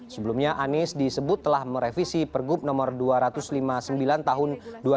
sebelumnya anies disebut telah merevisi pergub nomor dua ratus lima puluh sembilan tahun dua ribu dua puluh